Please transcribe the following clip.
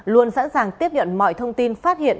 luôn sẵn sàng tiếp nhận mọi thông tin phát hiện